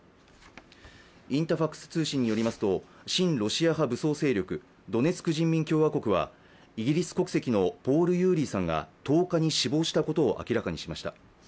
インタファクス通信によりますと親ロシア派武装勢力ドネツク人民共和国はイギリス国籍のポール・ユーリーさんが１０日に死亡したことを明らかにしました。